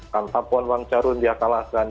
kampauan wang charun dia kalahkan